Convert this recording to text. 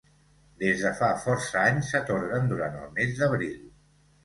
Des de fa força anys s'atorguen durant el mes d'abril.